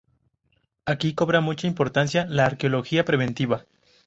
Aquí cobra mucha importancia la arqueología preventiva.